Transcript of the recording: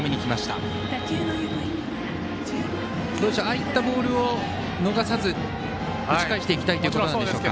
ああいったボールを逃さず打ち返していきたいということなんでしょうか。